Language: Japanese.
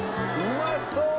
「うまそう！」